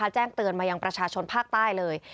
แจ้งเตือนมายังประชาชนภาคใต้เลย